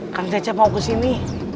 kang cecep mau kesini